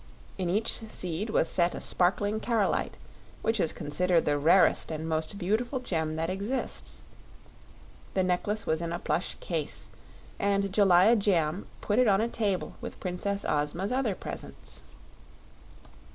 In each seed was set a sparkling carolite, which is considered the rarest and most beautiful gem that exists. The necklace was in a plush case and Jellia Jamb put it on a table with the Princess Ozma's other presents.